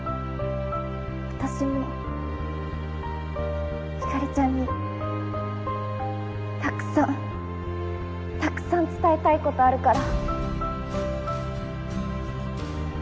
私もひかりちゃんにたくさんたくさん伝えたいことあるから。